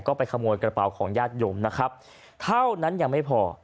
ก็ไปขโมยกระเป๋าของญาติโยมนะครับเท่านั้นยังไม่พอ